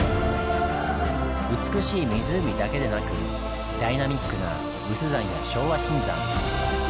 美しい湖だけでなくダイナミックな有珠山や昭和新山。